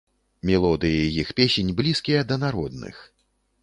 Мелодыі іх песень блізкія да народных.